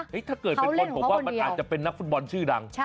เฮ้ยถ้าเกิดเป็นคนผมคิดว่ามันเป็นนักฟุตบอลชื่อดัง